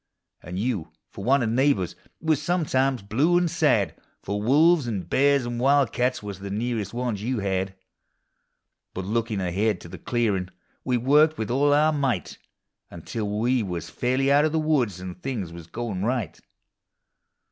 And you, for waut of neighbors, was sometimes blue and sad, For wolves and bears and wildcats was the near est ones you had ; Hut, lookiif ahead to the clearin', we worked with all our might, Until we was fairly out of the woods, and things was goin' right.